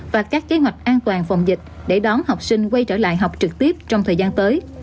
và các kế hoạch an toàn phòng dịch để đón học sinh quay trở lại học trực tiếp trong thời gian tới